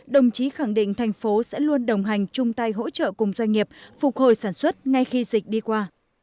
đồng chí khẳng định thành phố sẽ luôn đồng hành chung tay hỗ trợ cùng doanh nghiệp phục hồi sản xuất ngay khi dịch đi qua